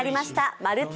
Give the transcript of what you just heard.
「まるっと！